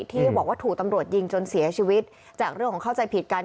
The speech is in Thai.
ที่บอกว่าถูกตำรวจยิงจนเสียชีวิตจากเรื่องของเข้าใจผิดกัน